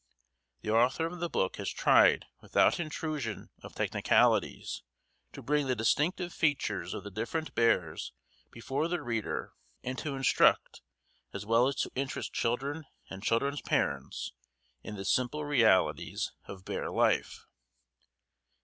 The author of the book has tried without intrusion of technicalities to bring the distinctive features of the different bears before the reader and to instruct as well as to interest children and children's parents in the simple realities of bear life.